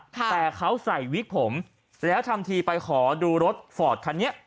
แต่เขาใส่วิกผมแล้วทำทีไปขอดูรถฟอร์ดคันนี้